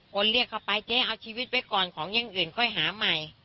คนเรียกเขาไปเจ๊เอาชีวิตไว้ก่อนของอย่างอื่นค่อยหาใหม่